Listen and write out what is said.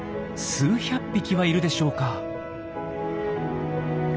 数百匹はいるでしょうか。